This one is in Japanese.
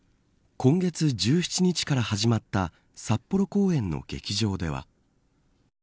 今月１７日から始まった札幌公演の劇場では。